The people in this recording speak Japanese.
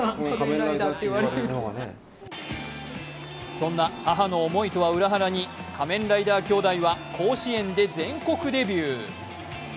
そんな母の思いとは裏腹に仮面ライダー兄弟は甲子園で全国デビュー。